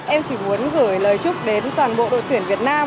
em chỉ muốn gửi lời chúc đến toàn bộ đội tuyển việt nam